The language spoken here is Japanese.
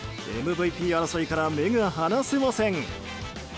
ＭＶＰ争いから目が離せません。